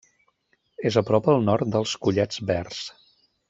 És a prop al nord dels Collets Verds.